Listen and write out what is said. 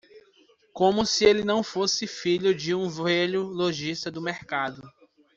Como se ele não fosse filho de um velho lojista do mercado!